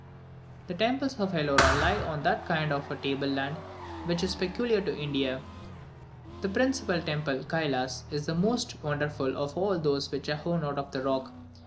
The temples of Elora lie on that kind of table land which is peculiar to India. The principal temple, Kylas, is the most wonderful of all those which are hewn out of the rock.